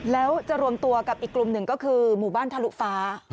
แล้วจะรวมตัวกับอีกกลุ่มหนึ่งก็คือหมู่บ้านทะลุฟ้า